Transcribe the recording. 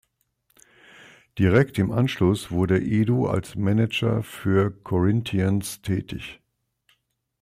Direkt im Anschluss wurde Edu als Manager für Corinthians tätig.